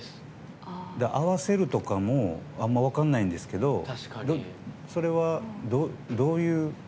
合わせるとかもあんまり分かんないですけどそれはどういう？